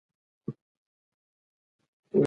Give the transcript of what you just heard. ایا ماشوم د انا په زړه کې پټه مینه درک کولی شي؟